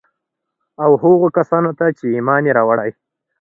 او هغو کسان ته چي ايمان ئې راوړى